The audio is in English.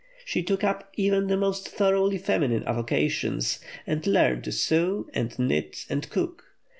She took up even the most thoroughly feminine avocations, and learned to sew, and knit, and cook.